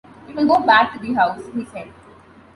“We will go back to the house,” he said.